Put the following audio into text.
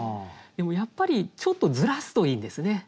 でもやっぱりちょっとずらすといいんですね。